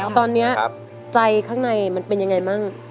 ตอนนี้ใจข้างในมันเป็นยังไงมั่ง